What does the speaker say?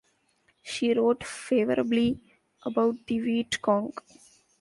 She wrote favorably about the Viet Cong.